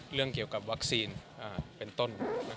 เรื่องเกี่ยวกับวัคซีนเป็นต้น